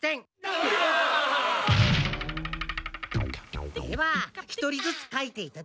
ダッ！では一人ずつ書いていただきます。